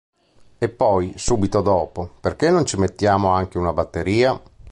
E poi, subito dopo: Perché non ci mettiamo anche una batteria?